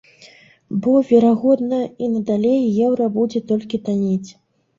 Бо, верагодна, і надалей еўра будзе толькі таннець.